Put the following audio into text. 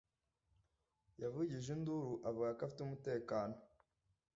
Yavugije induru avuga ko afite umutekano.